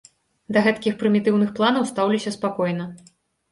Да гэткіх прымітыўных планаў стаўлюся спакойна.